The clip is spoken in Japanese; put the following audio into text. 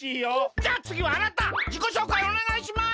じゃあつぎはあなたじこしょうかいおねがいします！